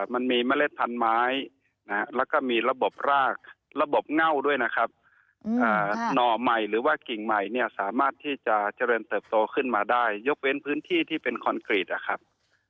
มันมีเมล็ดพันธุ์ไม้แล้วก็มีระบบรากระบบเง่าด้วยนะครับหน่อใหม่หรือว่ากิ่งใหม่เนี่ยสามารถที่จะเจริญเติบโตขึ้นมาได้ยกเว้นพื้นที่ที่เป็นคอนกรีตนะครับ